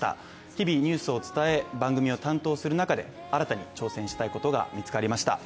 日々、ニュースを伝え、番組を担当する中で新たに挑戦したことが見つかりました。